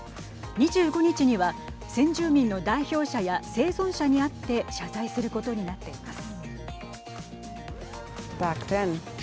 ２５日には、先住民の代表者や生存者に会って謝罪することになっています。